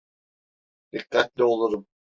Dikkatli olurum.